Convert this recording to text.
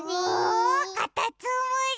かたつむり！